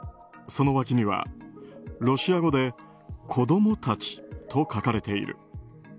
その脇にはロシア語で「子供たち」と書かれている。